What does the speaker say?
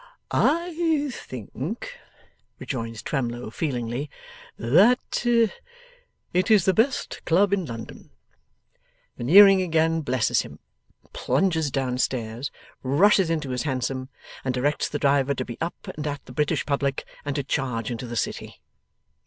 'I think,' rejoins Twemlow, feelingly, 'that it is the best club in London.' Veneering again blesses him, plunges down stairs, rushes into his Hansom, and directs the driver to be up and at the British Public, and to charge into the City.